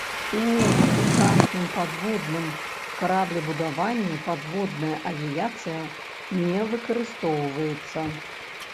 У сучасным падводным караблебудаванні падводная авіяцыя не выкарыстоўваецца.